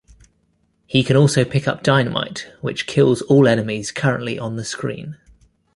He can also pick up dynamite, which kills all enemies currently on the screen.